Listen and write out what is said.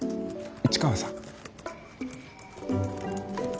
市川さん。